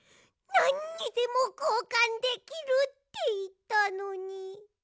なんにでもこうかんできるっていったのに。